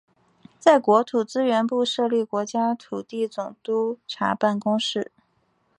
在国土资源部设立国家土地总督察办公室。